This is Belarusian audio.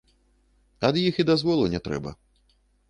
І ад іх дазволу не трэба.